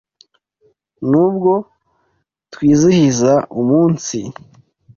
Nubwo twizihiza umunsi